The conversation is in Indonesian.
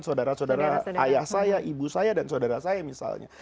saudara saudara ayah saya ibu saya dan saudara saya misalnya